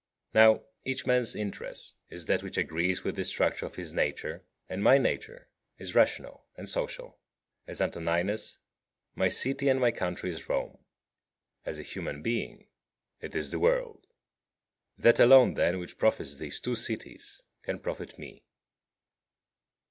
Now, each man's interest is that which agrees with the structure of his nature, and my nature is rational and social. As Antoninus, my city and my country is Rome; as a human being it is the world. That alone, then, which profits these two cities can profit me.